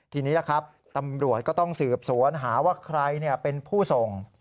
ทีนี้ล่ะครับตำรวจก็ต้องสืบสวนหาว่าใครเป็นผู้ส่ง